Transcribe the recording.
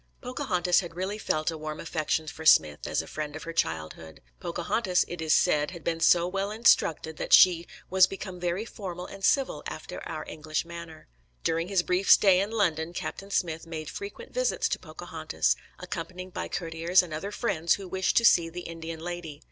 Pocahontas had really felt a warm affection for Smith as a friend of her childhood. Pocahontas, it is said, had been so well instructed that she "was become very formal and civil after our English manner." During his brief stay in London Captain Smith made frequent visits to Pocahontas, accompanied by courtiers and other friends who wished to see the Indian lady.